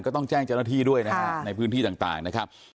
ต้องแจ้งเจ้าหน้าที่ด้วยนะฮะในพื้นที่ต่างนะครับ